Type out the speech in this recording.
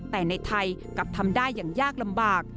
แต่ในไทยกลับทำได้อย่างยากลำบาก